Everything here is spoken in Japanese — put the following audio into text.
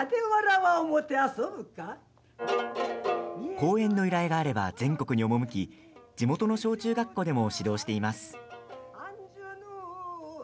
公演の依頼があれば全国に赴き地元の小中学校でも指導しています。